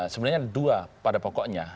sebenarnya dua pada pokoknya